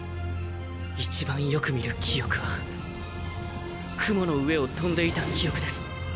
一番よく見る記憶は雲の上を飛んでいた記憶です。